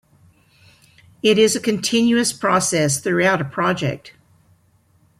It is a continuous process throughout a project.